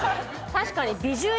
確かに。